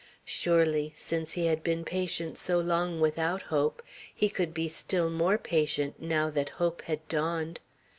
Surely, since he had been patient so long without hope, he could be still more patient now that hope had dawned!